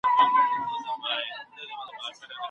که خاوند سخت اصول وټاکي ناوې ته به څه احساس پيدا سي؟